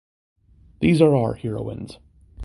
These are our heroines.